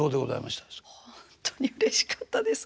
ほんとにうれしかったです。